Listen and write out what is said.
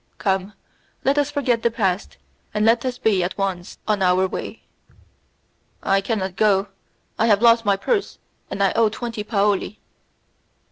Come, let us forget the past, and let us be at once on our way." "I cannot go; I have lost my purse, and I owe twenty paoli."